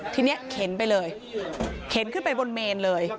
ทีนี้เข็นไปเลยเข็นขึ้นไปบนเมนเลย